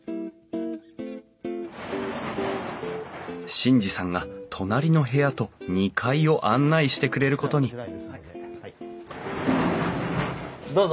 眞二さんが隣の部屋と２階を案内してくれることにどうぞ。